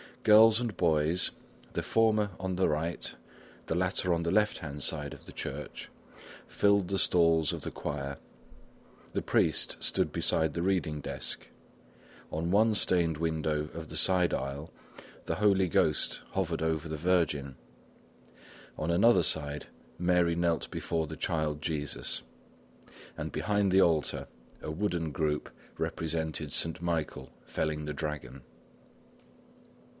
Girls and boys, the former on the right, the latter on the left hand side of the church, filled the stalls of the choir; the priest stood beside the reading desk; on one stained window of the side aisle the Holy Ghost hovered over the Virgin; on another one, Mary knelt before the Child Jesus, and behind the altar, a wooden group represented Saint Michael felling the dragon.